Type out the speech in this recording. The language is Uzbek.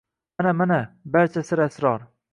Mana, mana barcha sir-asror!